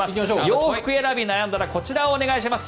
洋服選びに悩んだらこちらをお願いします。